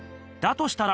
としたら